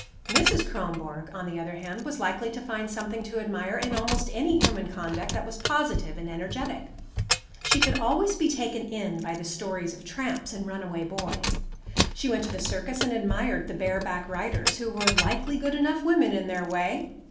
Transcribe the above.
Mrs. Kronborg, on the other hand, was likely to find something to admire in almost any human conduct that was positive and energetic. She could always be taken in by the stories of tramps and runaway boys. She went to the circus and admired the bareback riders, who were "likely good enough women in their way."